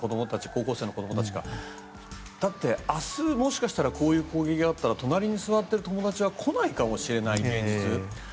高校生の子供たちがだって、明日もしかしたらこういう攻撃があったら隣に座っている友達は来ないかもしれない現実。